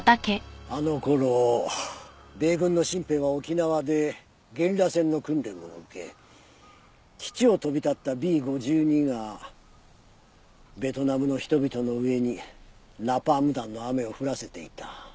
あの頃米軍の新兵は沖縄でゲリラ戦の訓練を受け基地を飛び立ったＢ−５２がベトナムの人々の上にナパーム弾の雨を降らせていた。